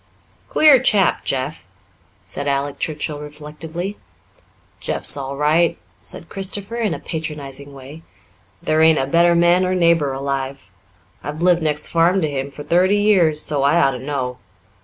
"Queer chap, Jeff," said Alec Churchill reflectively. "Jeff's all right," said Christopher in a patronizing way. "There ain't a better man or neighbour alive. I've lived next farm to him for thirty years, so I ought to know.